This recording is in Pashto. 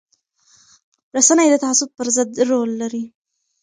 رسنۍ د تعصب پر ضد رول لري